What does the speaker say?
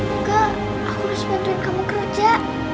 enggak aku harus bantuin kamu kerja